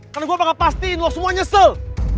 karena gue bakal pastiin lo semua nyesel